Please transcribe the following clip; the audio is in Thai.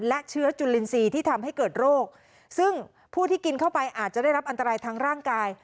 และเชื้อจุลินทรีย์ที่ทำให้เกิดโรคซึ่งผู้ที่กินเข้าไปอาจจะได้รับอันตรายทั้งร่างกาย